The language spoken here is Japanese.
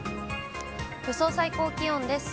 予想最高気温です。